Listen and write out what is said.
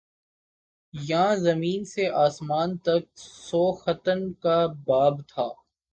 یاں زمیں سے آسماں تک سوختن کا باب تھا